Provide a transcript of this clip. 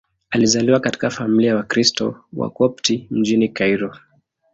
Alizaliwa katika familia ya Wakristo Wakopti mjini Kairo.